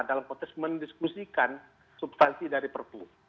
dalam konteks mendiskusikan substansi dari perpu